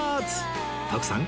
徳さん